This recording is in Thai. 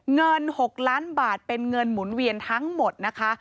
เงิน๖ล้านบาทเป็นเงินหมุนเวียนทั้งหมดนะคะ